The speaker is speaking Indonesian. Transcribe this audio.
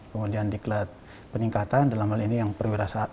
kemudian diklat peningkatan dalam hal ini yang perwira